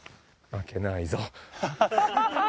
負けないぞ。